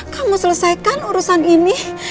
kamu selesaikan urusan ini